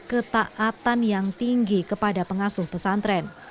ketaatan yang tinggi kepada pengasuh pesantren